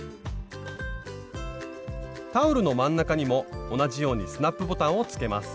タオルの真ん中にも同じようにスナップボタンをつけます